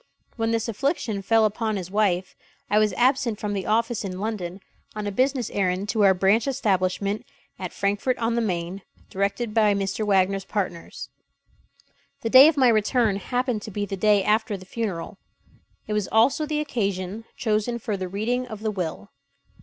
When this affliction fell upon his wife, I was absent from the office in London on a business errand to our branch establishment at Frankfort on the Main, directed by Mr. Wagner's partners. The day of my return happened to be the day after the funeral. It was also the occasion chosen for the reading of the will.